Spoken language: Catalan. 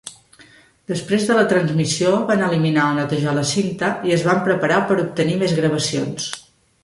Després de la transmissió, van eliminar o netejar la cinta i es van preparar per obtenir més gravacions.